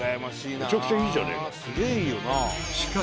めちゃくちゃいいじゃねえかよ。